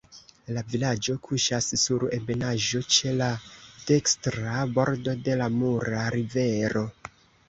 La vilaĝo kuŝas sur ebenaĵo, ĉe la dekstra bordo de la Mura Rivero.